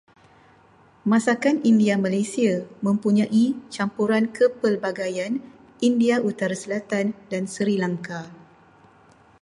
Masakan India Malaysia mempunyai campuran kepelbagaian India utara-selatan dan Sri Lanka.